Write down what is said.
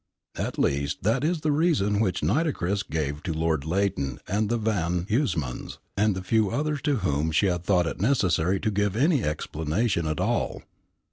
At least, that is the reason which Nitocris gave to Lord Leighton and the Van Huysmans, and the few others to whom she thought it necessary to give any explanation at all.